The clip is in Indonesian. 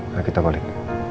nah kita balik